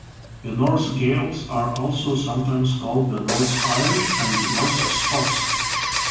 The Norse-Gaels are also sometimes called the Norse-Irish and Norse-Scots.